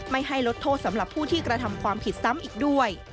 ไม่ให้ลดโทษสำหรับผู้ที่กระทำความผิดซ้ำอีกด้วย